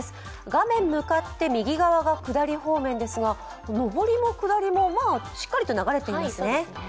画面向かって右側が下り方面ですが上りも下りも、まぁしっかりと流れていますね。